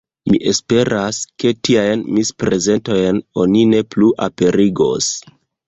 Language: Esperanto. Mi esperas, ke tiajn misprezentojn oni ne plu aperigos.